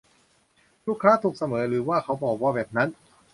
ลูกค้าถูกเสมอ หรือว่าเขาบอกว่าแบบนั้น